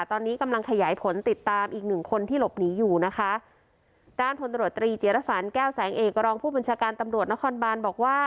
ตอนนี้กำลังขยายผลติดตามอีกหนึ่งคนที่หลบหนีอยู่นะคะด้านพลตรวจตรีเจียรสันแก้วแสงเอกรองผู้บัญชาการตำรวจนครบานบอกว่า